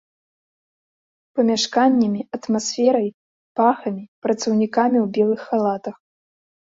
Памяшканнямі, атмасферай, пахамі, працаўнікамі ў белых халатах.